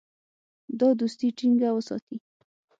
دا دوستي ټینګه وساتي.